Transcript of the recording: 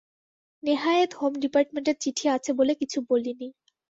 নেহায়েত home ডিপার্টমেন্টের চিঠি আছে বলে কিছু বলি নি।